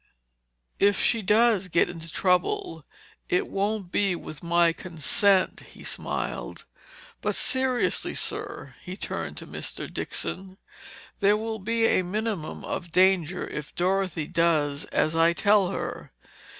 "If she does get into trouble, it won't be with my consent," he smiled. "But seriously, sir," he turned to Mr. Dixon. "There will be a minimum of danger if Dorothy does as I tell her.